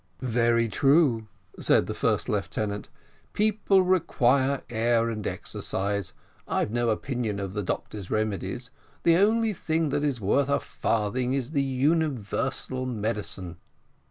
"Very true," said the first lieutenant, "people require air and exercise. I've no opinion of the doctor's remedies; the only thing that is worth a farthing is the universal medicine."